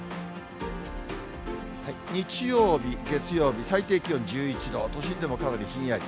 日曜日、月曜日、最低気温１１度、都心でもかなりひんやり。